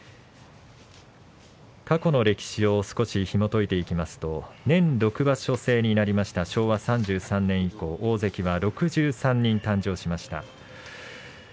過去の歴史をひもといてみますと年６場所制になりまして昭和３７年以降大関は６３人誕生しました。